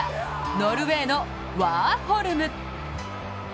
ノルウェーのワーホルム。